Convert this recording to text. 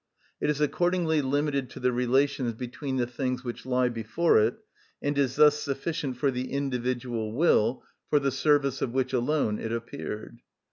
It is accordingly limited to the relations between the things which lie before it, and is thus sufficient for the individual will, for the service of which alone it appeared.